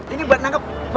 ini buat nangkep